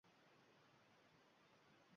Iliq shamol va quyosh tafti urildi.